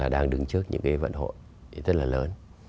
đang đứng trước những vận hội rất là lớn